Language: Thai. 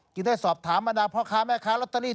จึงได้สอบถามบรรดาพ่อค้าแม่ค้าลอตเตอรี่